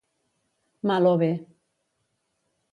Mal o bé.